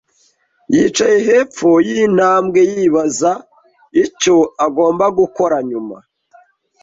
yicaye hepfo yintambwe yibaza icyo agomba gukora nyuma.